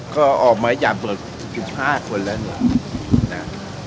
เขาออกมาจากบน๑๕คนแล้วหนึ่ง